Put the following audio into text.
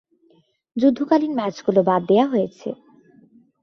যুদ্ধকালীন ম্যাচগুলো বাদ দেয়া হয়েছে।